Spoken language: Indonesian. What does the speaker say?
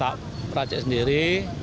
tak racik sendiri